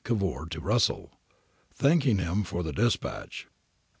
Cavour to Russell. Thanking him for the dispatch.